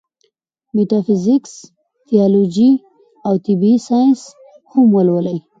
ميټافزکس ، تيالوجي او طبعي سائنس هم ولولي